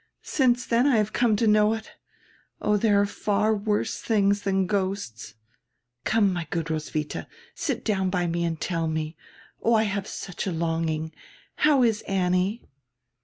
Since then I have come to know it Oh, diere are far worse tilings than ghosts. Come, my good Ros widia, come, sit down by me and tell me — Oh, I have such a longing. How is Annie?"